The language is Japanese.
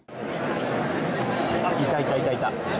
いたいたいたいた。